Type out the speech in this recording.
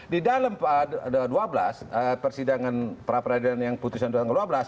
di dalam dua belas persidangan pra peradilan yang putusan dua belas